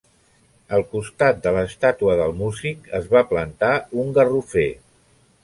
Al costat de l'estàtua del músic es va plantar un garrofer.